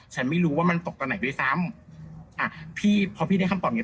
ฉันไม่รู้ว่ามันตกตอนไหนด้วยซ้ำอ่ะพี่พอพี่ได้คำตอบอย่าง